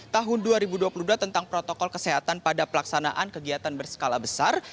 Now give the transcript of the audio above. tahun dua ribu dua puluh dua tentang protokol kesehatan pada pelaksanaan kegiatan berskala besar